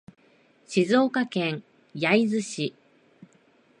静岡県焼津市